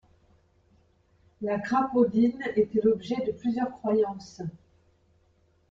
La crapaudine était l'objet de plusieurs croyances.